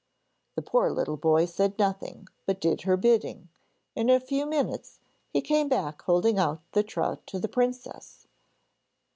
The poor little boy said nothing, but did her bidding, and in a few minutes he came back holding out the trout to the princess.